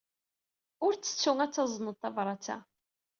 Ur ttettu ad tazned tabṛat-a.